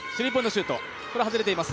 シュートこれは外れています。